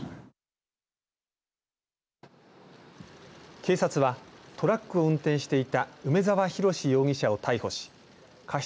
警察はトラックを運転していた梅澤洋容疑者を逮捕し過失